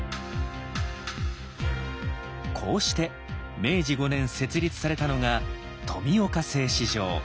こうして明治５年設立されたのが富岡製糸場。